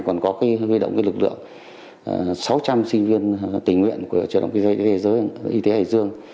huy động lực lượng sáu trăm linh sinh viên tình nguyện của trường đồng y tế hải dương